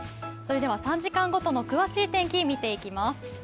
３時間ごとの詳しい天気、見ていきます。